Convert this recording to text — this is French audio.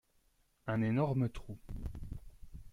Un énorme trou.